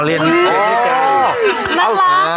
อ๋อเรียนมีเกดกันนั้นละ